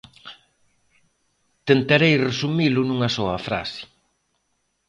Tentarei resumilo nunha soa frase.